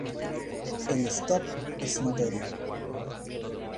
El stop es notorio.